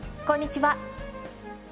こんにちは。